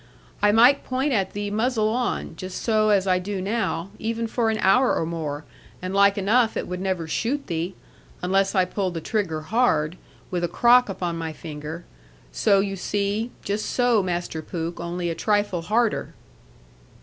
I might point at thee muzzle on just so as I do now even for an hour or more, and like enough it would never shoot thee, unless I pulled the trigger hard, with a crock upon my finger; so you see; just so, Master Pooke, only a trifle harder.'